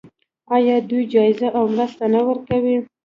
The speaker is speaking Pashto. آیا دوی جایزې او مرستې نه ورکوي؟